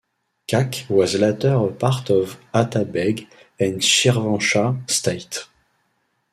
Qakh was later a part of Atabeg and Shirvanshah states.